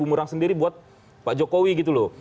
jadi buku orang sendiri buat pak jokowi gitu loh